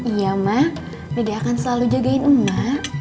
iya mak dede akan selalu jagain emak